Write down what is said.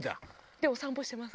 でお散歩してます。